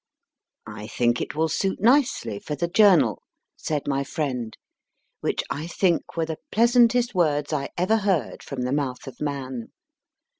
JAMES PAVN I think it will suit nicely for the Jcmrnal^ said my friend, which I think were the pleasantest words I ever heard from the mouth of man.